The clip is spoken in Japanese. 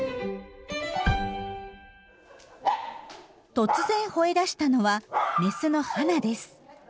突然ほえだしたのはメスのハナです。